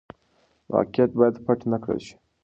واقعيت بايد پټ نه کړل شي.